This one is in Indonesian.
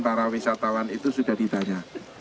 tatawan itu sudah ditanya